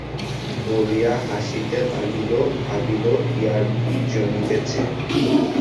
বলিয়া হাসিতে লাগিল, ভাবিল, ইয়ার্কি জমিতেছে।